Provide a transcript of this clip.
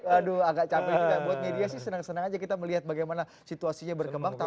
aduh agak capek juga buat media sih senang senang aja kita melihat bagaimana situasinya berkembang